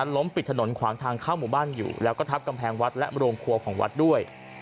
ล้มปิดถนนขวางทางเข้าหมู่บ้านอยู่แล้วก็ทับกำแพงวัดและโรงครัวของวัดด้วย